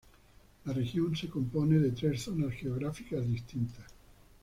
La región se compone de tres zonas geográficas distintas.